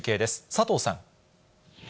佐藤さん。